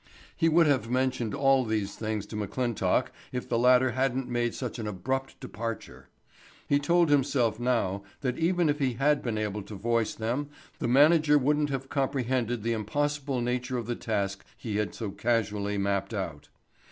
He would have mentioned all of these things to McClintock if the latter hadn't made such an abrupt departure. He told himself now that even if he had been able to voice them the manager wouldn't have comprehended the impossible nature of the task he had so casually mapped out.